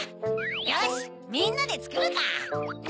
よしみんなでつくるか。